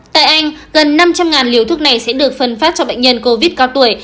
tại anh gần năm trăm linh liều thuốc này sẽ được phân phát cho bệnh nhân covid cao tuổi